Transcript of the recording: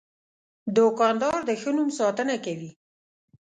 دوکاندار د ښه نوم ساتنه کوي.